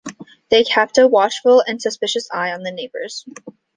They kept a watchful and suspicious eye on the neighbours.